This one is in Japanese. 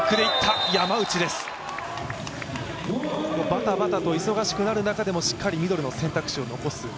ばたばたと忙しくなる中でもしっかりミドルの選択肢を残す。